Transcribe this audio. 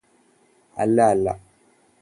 അല്ല അല്ല